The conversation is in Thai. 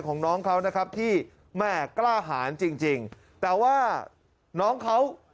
ของน้องเขานะครับที่แม่กล้าหารจริงจริงแต่ว่าน้องเขา